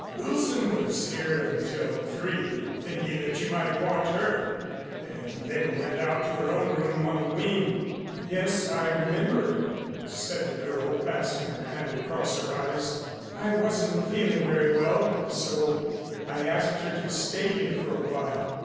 "Wilson was here until three thinking that you might want her and then went out to her own room in the wing." "Yes, I remember," said the girl, passing her hand across her eyes. "I wasn't feeling very well so I asked her to stay here for a while.